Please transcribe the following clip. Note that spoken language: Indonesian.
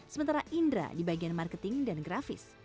sementara indra di bagian marketing dan grafis